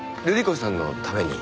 瑠璃子さんのために？